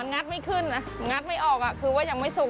ถ้าเปลือกไม่ออกอะคือว่ายังไม่สุก